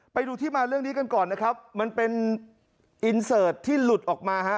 ไปดูที่มาเรื่องนี้กันก่อนนะครับมันเป็นอินเสิร์ตที่หลุดออกมาฮะ